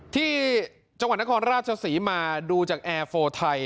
ที่จังหวัดนครราชศรีมาดูจากแอร์โฟไทย